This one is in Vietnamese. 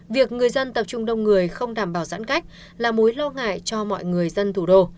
việc người dân tập trung đông người không đảm bảo giãn cách là mối lo ngại cho mọi người dân thủ đô